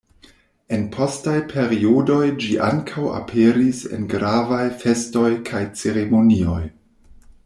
En postaj periodoj ĝi ankaŭ aperis en gravaj festoj kaj ceremonioj.